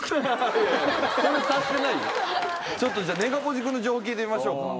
ちょっとネガポジくんの情報聞いてみましょうか。